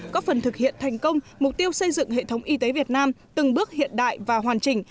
có phần thực hiện thành công mục tiêu xây dựng hệ thống y tế việt nam từng bước hiện đại và hoàn chỉnh